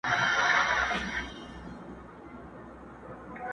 ماته مي شناختو د شهید پلټن کیسه کړې ده٫